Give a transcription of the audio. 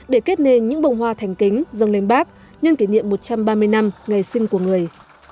để kết nên những bông hoa thành kính dâng lên bác nhân kỷ niệm một trăm ba mươi năm ngày sinh của người